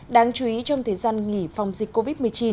đáng chú ý trong thời gian nghỉ phòng dịch covid một mươi chín